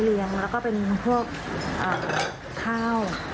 ซายเลี้ยงแล้วก็เป็นของพวกข้าว